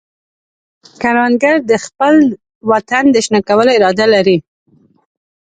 کروندګر د خپل وطن د شنه کولو اراده لري